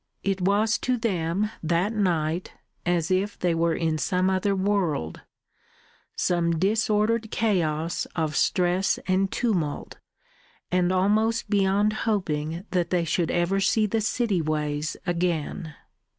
It was to them that night as if they were in some other world, some disordered chaos of stress and tumult, and almost beyond hoping that they should ever see the city ways again.